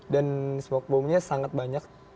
dan smoke bombnya sangat banyak